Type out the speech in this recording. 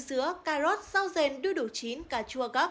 dứa cà rốt rau rền đu đủ chín cà chua gấp